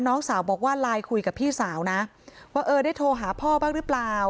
น้องสาวบอกว่าไลน์คุยกับพี่สาวนะว่าเออได้โทรหาพ่อบ้างหรือเปล่า